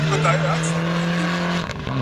چې خپل بچي خښوي.